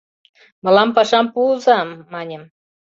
«Мылам пашам пуыза! — маньым.